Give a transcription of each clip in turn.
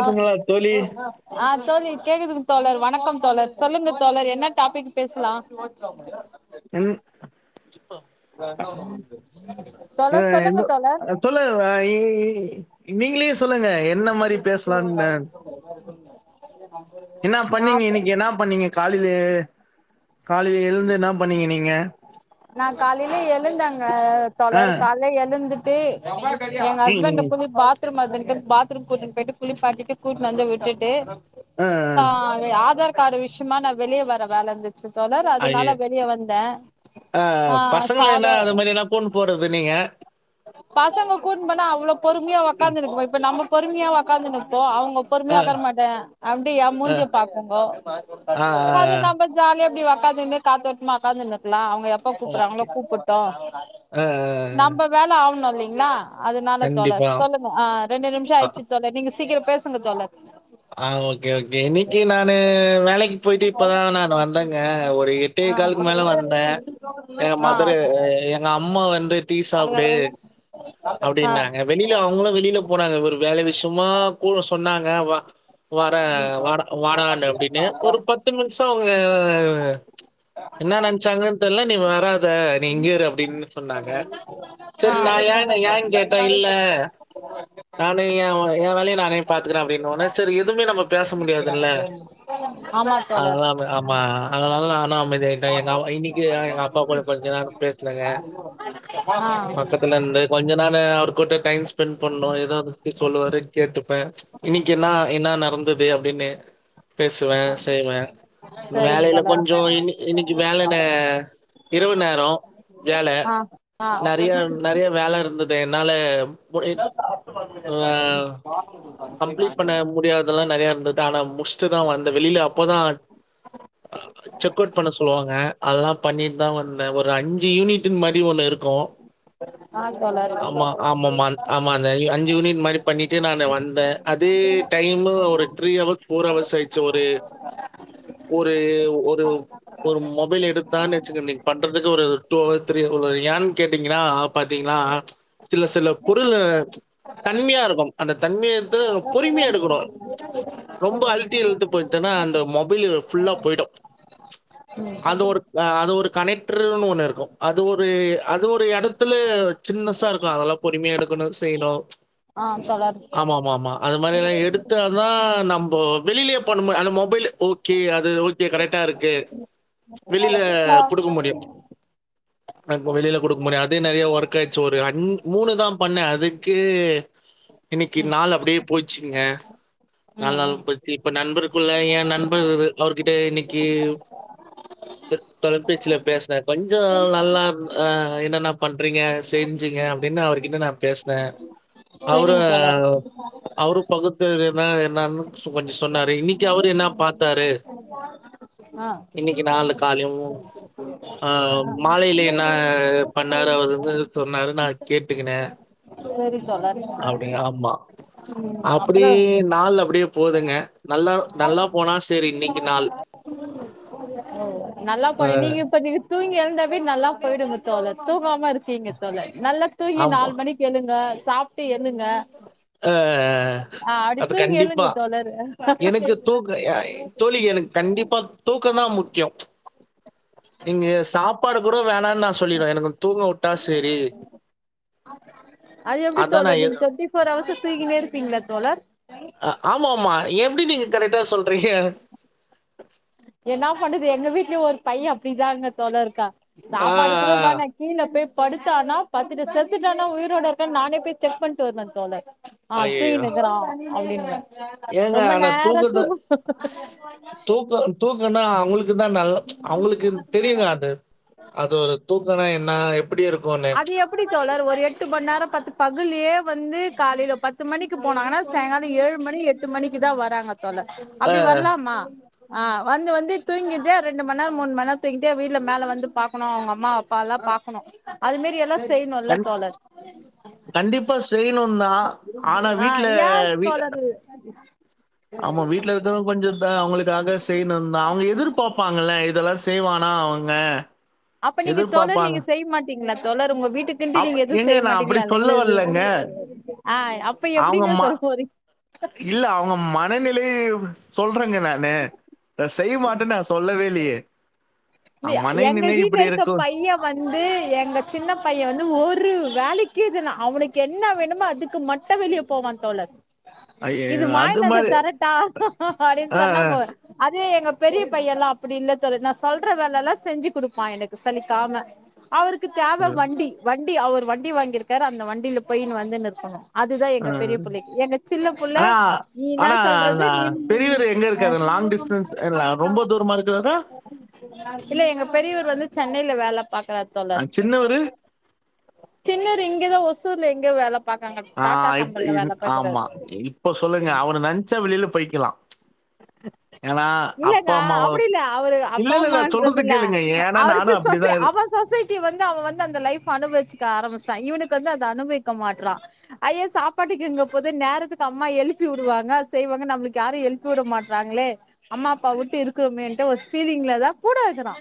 ஆ தோழி? ஆ தோழி கேக்குது தோழர் வணக்கம் தோழர் சொல்லுங்க தோழர் என்ன டாபிக் பேசலாம் என் ஆ தோழர் என் சொல்லுங்க தோழர் சொல்லுங் [unintelligible] இங்ங்கிலீஷ் சொல்லுங்க என்ன மாரி பேசலாம்னு என்னா நா பண்ணீங்க இன்னிக்கு என்னா பண்ணீங்க காலையில காலையில எழுந்து என்னா பண்ணீங்க நீங்க நா காலையில எழுந்தங்க ஆ தே எங்க ம், ஹஸ்பண்ட ம். கொஞ்ச பாத்ரூம் வருதுன்ட்டு பாத் கூட்டிட்டு போயிட்டு குளிப்பாட்டிட்டு கூட்டுன் வந்து விட்டுட்டு அ, சா அ. அது ஆதார் கார்டு விஷயமா நா வெளிய வர வேல இருந்தது அய்யய்ய ஆ, பசங்கள என்னா அது மாரி என்னா கூட்னு போறது நீங்க பசங்க கூட்ன்டு போனா அவ்ளோ பொறுமையா ஒக்காந்துனு இருக்குமா இப்ப நம்ப பொறுமையா ஒக்காந்துனுப்போ அவங் க அ, பொறுமையா ஒக்கார மாட்டா அப்டி எ அ, மூஞ்சிய பாக்குங்கோ, ஆ, ஆ, அது ஆ. நம்ப ஜாலிய அப்டி ஒக் ஒக்காந்துகினு காத்தோட்டமா ஒக்காந்துனு இருக்லா அவங் க எப்ப ஓகே. கூப்புட்றாங்களோ கூப்புட்டு அ, அ, அ. நம்ப ஆவனு இல்லிங்ளா அதுனால தோழர் கண்டிப்பா. சொல்லுங்க ஆ ரெண்டு நிமிஷோ அ, ஆயிடுச்சு தோழர் நீங்க சீக்கரோ பேசுங்க தோழர் ஆ, ஓகே ஓகே இன்னைக்கி நானு வேலைக்கி போயிட்டு இப்பதா நானு வந்தேங்க ஒரு எட்டே ஆ கால்க்கு மேல வந்த எங்க மதரு எங்க அம்மா வந்து டீ சாப்டு அப்டின்னாங்க, வெளில அவங்களு வெளில போனாங்க ஒரு வே வேல விஷ்யமா கூ சொன்னாங்க வா வர வாடா வாடானு அப்டின்னு ஒரு பத்து நிமிஷ அவங்க என்ன நெனச்சாங்க தெரில நீ வரா த நீ இங்கியே இரு அப்டின்னு சொன்னாங்க, ஆ ஆ செரி நா ஏன்னு ஏன்னு கேட்ட ஆ இல்ல நானு எ எ வேலைய நானே பாத்துக்ற அப்டின்னோன செரி எதுவுமே நம்ம பேச முடியாதுல்ல ஆமா தோழர் அதல்லாமே ஆமா அதனால நானு அமைதியாயிட்ட எங்க அம்மா இன்னிக்கி எங்க அப்பா கூட கொஞ்ச நேரோ பே சுனங்க ஆ பக்கத்துல நின்னு கொஞ்ச நேரோ த்துல அவர் கூட்ட டைம் ஸ்பெண்ட் பண்னோ எதாவது பத்தி சொல்லுவாரு கேட்டுப்ப இன்னிக்கி என்ன என்னா நடந்துது அப்டின்னு பேசுவ செய்வே சரிங்க வேலைல தோழர் கொஞ்சொ இன் இன்னைக்கி வேலைல இரவு நேரோ வேல ஆ ஆ நெறைய நெறைய வேலை இருந்துது னால முடியாதது எல்லா நெறையா இருந்தது ஆனா முடிச்ட்டுதா வந்த வெளில அப்பதா அ செக் அவுட் பண்ண சொல்வாங்க அதெல்லா பண்ணிட்டு தா வந்தே ஒரு அஞ்சு யூனிட் மாரி ஒண்ணு இருக்கு ஆ தோழர் ஆமா ஆமாமா ஆமா அந்த அஞ்சு யூனிட் மாரி பண்ணிட்டு நானு வந்தே அதே டைமு ஒரு த்ரீ அவர்ஸ் ஃபோர் அவர்ஸ் ஆயிர்ச்சு ஒரு ஒரு ஒரு மொபைல் எடுத்தா வெச்சுக்க நீ பண்றதுக்கு ஒரு டூ அவர்ஸ் த்ரீ ஒரு ஏன் கேட்டீங்னா பாத்தீங்னா சில சில பொருளு தன்ம்யா இருக்கு அந்த தன்ம்யத்த பொறிம்யா எடுக் [unintelligible] ரொம்ப அழ்த்தி இழுத்து போய்ட்டனா அந்த மொ புய்லிரு ஃபுல்லா பொய்டு ம் அது ஒரு அது ஒரு கனெக் ட்ருனு ஒன்னு இருக்கு அது ஒரு அது ஒரு எடத்துல சின்னசா இருக்கு அதல்லா பொறும்யா எடுக்கணு செய்ணு ஆஹ் [unintelligible] அது மாதிரிலா எடுத் தாதா நம்பொ வெளிலியே பண்ண அந்த மொபைல் ஓகே அது ஓகே கரெக்டா இருக்கு வெளில குடுக்க முடியு வெளியில குடுக்க முடியு அதே நறைய ஒர்க் ஆயிடுச்சு ஒரு அஞ் மூணுதா பண்ணே அதுக்கே இன்னைக்கு ம் நாளு அப்படியே போச்சுங்க ம் நண்பள் ம் பத்தி இப்ப நண்பருக்குள்ள ஏ நண்பர் அவர்கிட்ட இன்னைக்கி த தொலைபேசியில பேசுனே கொஞ்சொ நல்லா அஹ் என்னன்ன பண்றீங்க செஞ்சிங்க அப்படின்னு அவர்கிட்ட நா பேசுன சரிங் தோழர் அவரு பகு தறிவு னா என்னனு கொஞ்சொ சொன்னாரு இன்னிக்கு அவரு என்ன பாத்தாரு ஆ ஆஹ் பதில் சொன்னாரு நா கேட்டுக்கினே சேரி அப்டியா ஆமா ம் அப்புறோ அப்டியே நாள் அப்டியே போதுங்க நல்லா நல்லா போனா செரி இன்னைக்கு நாள் நல்லா அ பண்ணி நீ இப்பதி தூங்கி எழுந்தாவே நல்லா போய்டுங்க தோழர் தூங்காம இருக்கீங்க தோழர் நல்லா தூங்கி ஆமா. நாலு மணிக்கெழுங்க சாப்ட்டு எண்ணுங்க ஆஹ் அது எழுங்க கண்டிப்பா தோழர் எனக்கு தூக்க அ எ தோழி எனக்கு கண்டிப்பா தூக் கந்தா முக்கியொ நீங்க சாப்பாடு கூட வேணான்னு நா சொல்லிடுவே எனக்கு தூங்க விட்டா செரி அது எப்படி தோழர் நீங்க டுவென்டி ஃபோர் அவர்ஸ் தூங்கினே இருப்பீங்களா தோழர் அ ஆமாமா எப்படி நீங்க கரெக்டா சொல்றீங்க என்ன பண்ணுது எங்க வீட்லயும் ஒரு பைய அப்படிதாங்க தோழர் இருக்கா ஆ. சாப்பாடு கூட வேணா கீழ போய் படுத்தானா பத்துட்டு செத்துட்டான்னா உயிரோட இருக்கானா நானே போய் செக் பண்ணிட்டு வருவ தோழர் ஆ ஐயய்யோ! தூங்கினு இருக்கிறான் அப்படிம்ப ஏங்க ரொம்ப ஆனா தூக்கத்த நேரத்துக்கு [unintelligible] உங்களுக்கு இது தா நல்ல அவங்களுக்கு தெரியுங்க அது அது ஒரு தூக்கனா என்ன எப்படி இருக் அது எப்படி தோழர் ஒரு எட்டு மணி நேர பத்து பகல்லியே வந்து காலையில பத்து மணிக்கு போனாங்கனா சாயங்கால ஏழு மணி எட்டு மணிக்கு தா வராங்க தோழர் அ அப்படி வரலாமா ஆஹ் வந்து வந்து தூங்கிட்டே ரெண்டு மணி நேரம் மூணு மணி நேரம் தூங்கிட்டே வீட்டுல மேல வந்து பாக்கணு அவங்க அம்மா அப்பா எல்லாம் பாக்கணு அது மேரி எல்லா செய்யணுல்ல கண் தோழர் கண்டிப்பா செய்யணும்தா ஆனா ஆ வீட்ல யா வீட் தோழர் ஆமா வீட்ல இருக்கதும் கொஞ்சம் தான் அவுங்களுக்காக செய்யணுதான் அவுங்க எதிர்பாப்பாங்கள்ள இதெல்லாம் செய்வானா அவுங்க எதிர்பாப்பாங் டிங்ளா தோழர் உங்க வீட்டுக்குன்டு நீங்க எதும் செய்ய மாட்டீங்களா [unintelligible] அப்ப அவுங்க எப்டிங்க ம சொல்ல போறீங் இல்ல அவுங்க மனநிலை சொல்றங்க நானு நா செய்ய மாட்டேன்னு நா சொல்லவே இல்லேயே [unintelligible] எங்க வீட்ல இருக்க பையன் வந்து எங்க சின்ன பையன் வந்து ஒரு வேலைக்கு முக்கியதுனா அவனுக்கு என்ன வேணுமோ அதுக்கு மட்டு வெளிய போவான் தோழர் இது ஐயய்யோ! மாய அது நகர் மாரி. கரெக்டா அப்டின்னு ஆ, சொன்னா போது இது எங்க பெரிய பையன்ல்லாம் அப்பிடி இல்ல தோழர் நான் சொல் ற வேலல்லாம் செஞ்சு குடுப்பான் எனக்கு சலிக்காம அவருக்கு தேவ ஆ. வண்டி வண் டி அவர் வண்டி வாங்கிருக்கார் அந்த வண்டில போய்யின்னு வந்துன்னு இருக்கனும் அதுதான் எங்க அ. பெரிய புள்ளைக்கி எங்க சின்ன புள்ள ஆனா நீ இன்னா ஆனா சொல்றது நீ நான் பெரியவரு எங்க இருக்காரு? லாங் டிஸ்டன்ஸ் இல்ல ரொம்ப தூரமா இருக்கிறாரா? இல்ல எங்க பெரியவர் வந்து சென்னைல வேல பாக்கறார் அ தோழர் சின்னவரு? சின்னவரு இங்க தான் ஒஸ் சித்தூர்ல எங்கயோ வேல பாக்குறாங்க ஆ டாடா இப் கம்பெனில இது வேல ஆமா பாக்குறாரு இப்ப சொல்லுங்க அவரு நென்ச்சா வெளில போய்க்கலாம் ஏன்னா, இல்லங்க அப்பா, அம்மாவ அப்டி இல்ல அவரு இல்ல, அப்பா இல்ல, இல்ல. அம்மன்றது சொல்றது இல்ல கேளுங்க. ஏன்னா, அவருக்கு நானும் சொசை அப்டிதான் அவன் சொசைட்டி வந்து அவன் வந்து அந்த லைஃப் அனுபவிச்சுக்க ஆரம்பிச்சிட்டா இவனுக் கு வந்து அத அனுபவிக்க மாட்றான் ஐய்ய சாப்பாட்டுக்கு எங்க போது நேரத்துக்கு அம்மா எழுப்பி வுடுவாங்க செய்வாங்க நம்மளுக்கு யாரும் ஹெல்ப் கூப்ட மாட்றாங்களே அம்மா அப்பாவ வுட்டு இருக்குறோமேன்ட்டு ஒரு ஃபீலிங்ல தான் கூட இருக்குறான்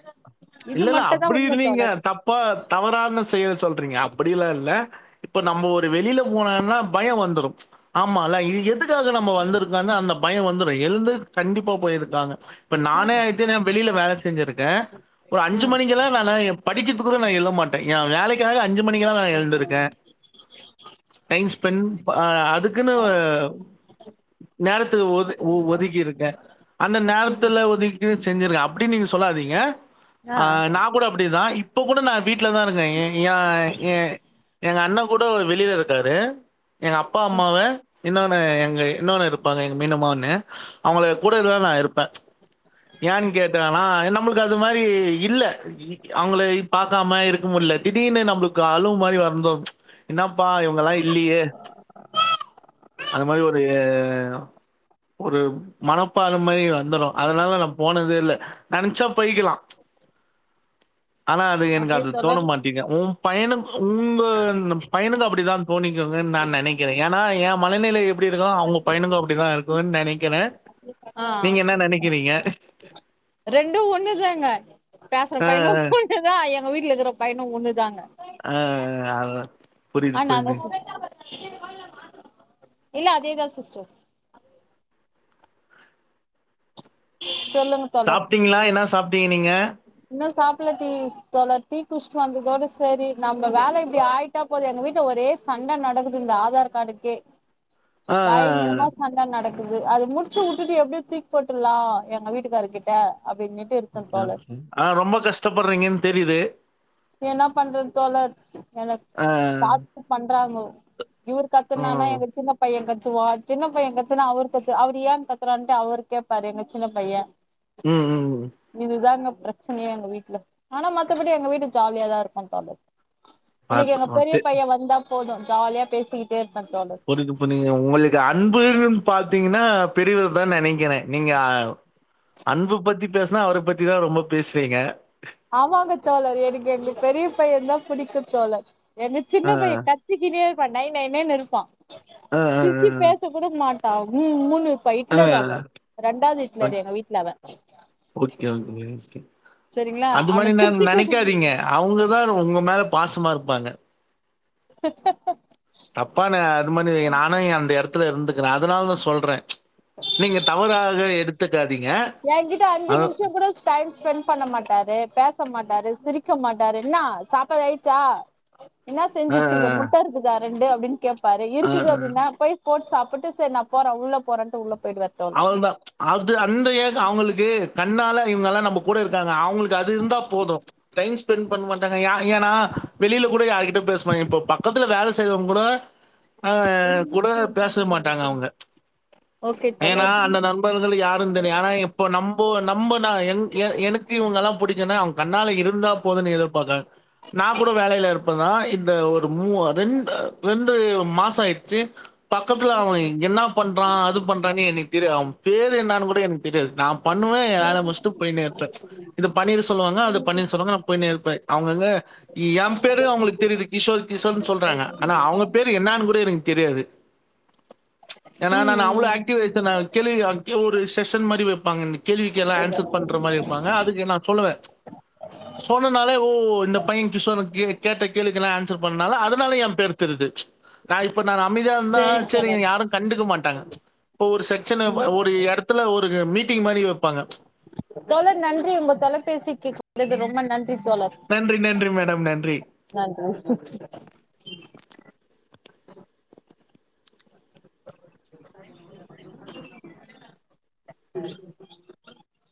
இல்ல இல்ல அப்டி இல்லிங்க தப்பா தவறான செயலை சொல்றீங்க அப் அப்டிலாம் இல்ல இப்ப நம்ம ஒரு வெளில போனான்னா பயம் வந்துறும் ச் ஆமால்ல இது எதுக் எதுக்காக நம்ம வந்துருக்கோனு அந்த பயம் வந்துரும் எழுந்து கண்டிப்பா போயிருக்காங்க இப்ப நானே [unintelligible] வெளில வேல செஞ்சுருக்கேன் ஒரு அஞ்சு ம் மணிக்கெல்லாம் நானா எம் படிக்கிறதுக்கு கூட நா எழு ப மாட்டேன் என் வேலைக்காக அஞ்சு மணிக்கெல்லாம் நான் எழுந்திருக்கேன் டைம் ஸ்பென்ட் ப அஹ் அதுக்குன்னு நேரத்துல ஒதுக் ஒதுக்கி இருக்கேன் அந்த நேரத்துல ஒதுக்கி செஞ்ங்சிருக்கேன் அப்டின்னு நீங்க சொல்லாதீங்க ஆ அஹ் நான் கூட அப்டி தான் இப்ப கூட நான் வீட்டல தான் இருக்கேன் எ யா ஏன் எங்க அண்ணன் கூட அவரு வெளியில இருக்காரு எங்க அப்பா அம்மாவ இன்னொ ங்க எங்க இன்னொன்னு இருப்பாங்க எங்க மீனம்மானு அவுங்களே கூடவே தா நா இருப்பே ஏன்னு கேட்டன்னா நம்ளுக்கு அது அது இல்ல இருக் அவுங்களையு பாக்காம இருக்க முடில திடீர்னு நம்மளுக்கு அழும் மாரி வந்துரும் என்னாப்பா இவுங்கல்லா இல்லீயே அத மாரி ஒரு ஒரு மனப்பான இது மாரி வந்துரு அதனால நா போனதே இல்ல நெனச்சப் போய்க்கலா ஆனா அது எனக்கு அப்படியே அது தோண தோழர் மாட்டீங்கு உம் பையனுங் உங்கங் பையனுங்க அப்படிதா தோணிக்கங்கன்னு நா நெனைக்கிறே ஏன்னா எ மனநிலை எப்படி இருக்கோ அவுங்க பையனுக்கு அப்படிதா இருக்குன்னு நெனைக்கிறே நீங்க என்ன நெனைக்குறீங்க ரெண்டு ஒன்னுதாங்க பேசுற அ, பையனு புரிஞ்சதா எங் நம்ம வீட்டுல இருக்கிற பையனு ஒன்னு தாங்க அஹ் அஹ் அஹ் அதா அஹ் நா தா சிஸ் இல்ல அதே தா சிஸ்டர் சொல்லுங்க தோழர் சாப்ட்டீங்களா என்னா சாப்ட்டீங்க நீங்க துள்ளத்தி தொள்ளாரத்தி குஷ் வாங்குறதோட சேரி நம்ம வேல இப்டி ஆயிட்டா போது எங்க வீட்ல ஒரே சண்ட நடக்குது இந்த ஆதாரு கார்டுக்கே அ, அ, பயங்கரமா அ. சண்ட நடக்கு அது அது முடிச்சு விட்டுட்டு எப்டியோ தூக்கி போட் லா எங்க வீட்டுக்காருக்கிட்ட ஆஹ் ரொம்ப கஷ்டப்படுறீங்கன் தெரிது என்ன பண்றது தோழர் என்ன அ, டார்ச்சர் பண்றாங்கோ இவரு கத்துன்னானா ம். எங்க சின்ன பையன் கத் வா சின்ன பையன் கத்துன்னா அவரு கத்து அவரு ஏன்னு கத்துறாருன்ட்டு அவரு கேப்பாரு எங்க சின்ன பையன் உம் உம் உம் பிரச்சனையா எங்க வீட்ல ஆனா மத்தபடி எங்க வீடு ஜாலியாதா இருக்கு தோழர் எனக்கு எங்க பாத்து பெரிய பையன் வந்தா போதும் ஜாலியா பேசிக்கிட்டு புரியுது புரியுது உங்களுக்கு அன்புன்னு பாத்திங்கன்னா பெரியவர் தா நெனைக்கிறே நீங்க ஆஹ் அன்பு பத்தி பேசுனா அவர பத்திதா ரொம்ப பேசுறீங்க ஆமாங்க தோழர் எனுக்கு எங்க பெரிய பையன் தா புடிக்கு தோழர் எங்க அ, சின்ன பைய கத்திகின்னே இருப் ப நைநை நைனு இருப்பா அ, அ, சிர்ச்சி பேச கூட மாட்டா உம்முன் அ, பைட்லர் அ. அவ ரெண்டாவ்து ஹிட்லர் ஓக் எங்க வீட்ல அவ ஓகே, ஓகே, ஓகே. சரிங்களா அது மா அவன நா திருத்திக்க நெனக்காதீங்க அவுங்கதார் உங்க மேல பாசமா இருப்பாங்க தப்பான அது மாரி இல்லிங் நானு எ அந்த எடத்துல இருந்துக்குற அதுனால் வந் சொல்றே நீங்க தவறாக எடுத் [unintelligible] ஏங்கிட்ட அஞ்சு நிம்ஷங்கூட டைம் ஸ்பென்ட் பண்ண மாட்டாரு பேச மாட்டாரு சிரிக்க மாட்டாரு இன்னா சாப்பாது ஆயிட்ச்சா என்னா அ, செஞ்சிச்சுருங்க முட்ட இருக்குதா ரெண்டு அப்டின் கேப் பாரு அ, இருக்குது அ. அப்டின்னா போய் போட் சாப் டு ட்டு சேரி நா போற உள்ள போறன்ட்டு உள்ள போயிடுவாரு தோழர் அவுள்தா அது அந்த ஏ அவுங்குளுக்கு கண்ணால இவங்கல்லா நம்ம கூட இருக் அவுங்களுக்கு அது இருந்தா போது டைம் ஸ்பெண்ட் பண் மாட்டாங்க யா ஏனா வெளில கூட யார்கிட்யு பேச மாங் இப்ப பக்கத்ல வேல செய்றவ்ங் கூட ஆ கூட பேஸ்வே மாட்டாங்க அவ்ங்க ஓகே ஏனா தோழர் அந்த நண்பர்கள் யாரு தெர்யு ஆனா எப்போ நம்போ நம்ப நா என்க்கு எ எனக்கு இவுங்கலா புடிக்குனு அவ்ங் கண்ணால இருந்தா போதுன்னு எதுர்பாக்கன் நா கூட வேலல இருப்பதா இந்த ஒரு மூவ ரெண்டு ரெண்டு மாசம ஆயிட்ச்சு பக்கத்துல அவ இங் என்னா பண்றா அது பண் பானு எனுக் தெர்யா அவ பேரு என்னானு கூட எனுக்க தெரியாது நா பண்ணுவ ஏ வேல்ய முஷ்டு போய்னே இர்ப்ப இது பண்ணிரு சொல்வாங்க அது பண்ணரு சொல்வாங்க நா போய்னே அவ்ங்க எங்க ஏ பேரு அவ்ங்களுக்கு தெரியுது கிஷோர் கிஷோர்னு சொல்றாங்க அனா அவ்ங்க பேரு என்னான் கூட எனுக்கு தெரியாது ஏன்னா ம் நானு அவ்ளோ ம் ஆக் [unintelligible] கேள்விக்கு அக்கே ஒரு செஷ மரி வெப்பாங் இன்னிக் கேள்விக்கு எல்லா ஆன்சர் பண்ற மாரி இர்ப்பாங்க அதுக்கு த்னா சொல்லுவே சொன்னனாலே ஓ இந்த பையன கிஷோஅ கி கேட்ட கேள்விக்குலா ஆன்சர் பண்ணால அதுனால ஏ பேர் தெரிது நா இப்ப நான் அமிதா இருந்தா சேரிங் சரிங்க தோழர் யாரும் கண்டக்க மாட்ட க ஒரு செக்ஷன் ம் ஒரு எடத்துல ஒரு ஒரு மீட்டிங் மாரி வைப்பாங்க தோழர் நன்றி உங்க தொலைபேசிக்கு கூப்டது ரொம்ப நன் நன்றி நன்றி மேட டம் நன்றி நன்றி